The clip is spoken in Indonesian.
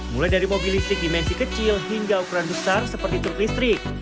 mulai dari mobil listrik dimensi kecil hingga ukuran besar seperti truk listrik